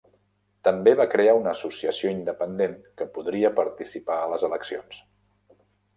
També va crear una associació independent que podria participar a les eleccions.